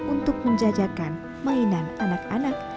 untuk menjajakan mainan anak anak